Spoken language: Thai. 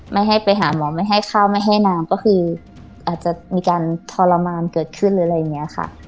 ไม่ให้ไปหาหมอไม่ให้ข้าวไม่ให้น้ำก็คืออาจจะมีการทรมานเกิดขึ้นหรืออะไรอย่างนี้ค่ะ